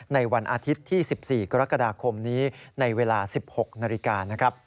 ในวันอาทิตย์ที่๑๔กรกฎาคมนี้ในเวลา๑๖นาฬิกานะครับ